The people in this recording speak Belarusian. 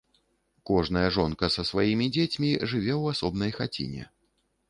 Кожная жонка са сваімі дзецьмі жыве ў асобнай хаціне.